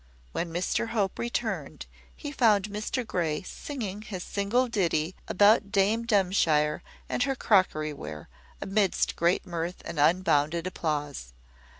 When Mr Hope returned, he found Mr Grey singing his single ditty, about Dame Dumshire and her crockery ware, amidst great mirth and unbounded applause.